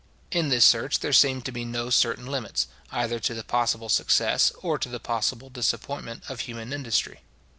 In this search there seem to be no certain limits, either to the possible success, or to the possible disappointment of human industry.